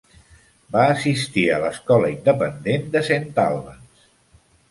Va assistir a l'Escola Independent de Saint Albans.